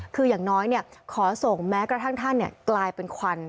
คืออย่างน้อยขอส่งแม้กระทั่งท่านกลายเป็นควัน